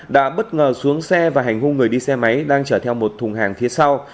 đã bất ngờ xuống xe và hành hung người đi xe máy đang chở theo một thùng hàng phía sau